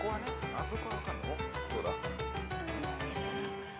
あそこは分かる。